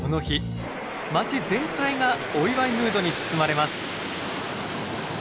街全体がお祝いムードに包まれます。